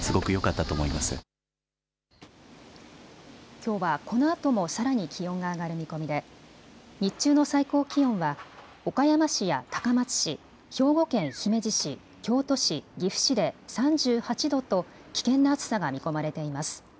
きょうはこのあともさらに気温が上がる見込みで日中の最高気温は岡山市や高松市、兵庫県姫路市、京都市、岐阜市で３８度と危険な暑さが見込まれています。